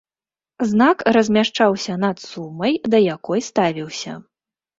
Знак размяшчаўся над сумай, да якой ставіўся.